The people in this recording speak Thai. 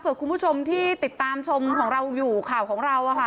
เพื่อคุณผู้ชมที่ติดตามชมของเราอยู่ข่าวของเราอะค่ะ